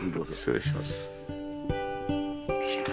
失礼します。